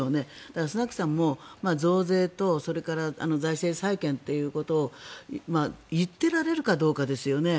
だから、スナクさんも増税と財政再建ということを言ってられるかどうかですよね。